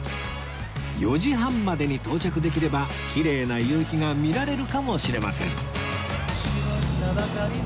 ４時半までに到着できればきれいな夕日が見られるかもしれません